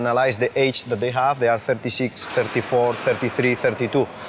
เราไม่มีพวกมันเกี่ยวกับพวกเราแต่เราไม่มีพวกมันเกี่ยวกับพวกเรา